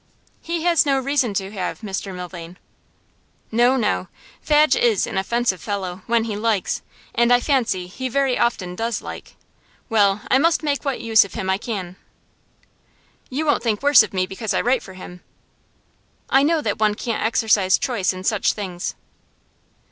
'He has no reason to have, Mr Milvain.' 'No, no. Fadge is an offensive fellow, when he likes; and I fancy he very often does like. Well, I must make what use of him I can. You won't think worse of me because I write for him?' 'I know that one can't exercise choice in such things.